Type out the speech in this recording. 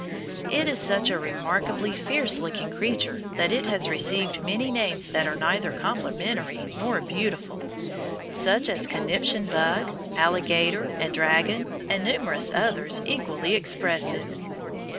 It is such a remarkably fierce looking creature that it has received many names that are neither complimentary nor beautiful, such as conniption bug, alligator, and dragon, and numerous others equally expressive.